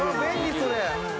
それ」